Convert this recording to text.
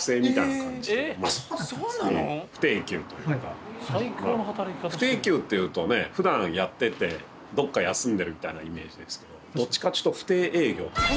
今本当不定休っていうとねふだんやっててどっか休んでるみたいなイメージですけどどっちかっていうと不定営業。